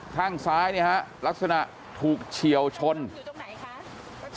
ข้างซ้ายเนี่ยฮะลักษณะถูกเฉียวชนอยู่ตรงไหนคะ